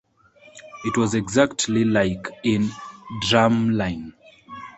It was exactly like in "Drumline".